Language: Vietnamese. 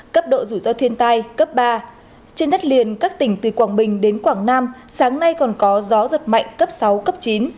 cấp độ rủi ro thiên tai cấp ba trên đất liền các tỉnh từ quảng bình đến quảng nam sáng nay còn có gió giật mạnh cấp sáu cấp chín